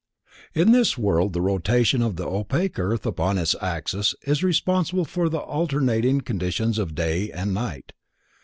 In this world the rotation of the opaque earth upon its axis is responsible for the alternating conditions of day and night.